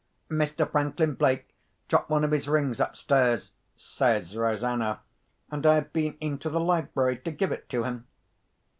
"Mr. Franklin Blake dropped one of his rings upstairs," says Rosanna; "and I have been into the library to give it to him."